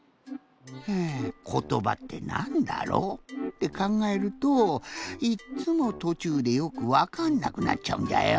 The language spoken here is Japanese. フー「ことばってなんだろう」ってかんがえるといっつもとちゅうでよくわかんなくなっちゃうんじゃよ。